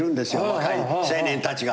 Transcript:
若い青年たちが。